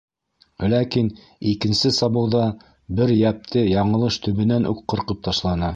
Ләкин икенсе сабыуҙа бер йәпте яңылыш төбөнән үк ҡырҡып ташланы.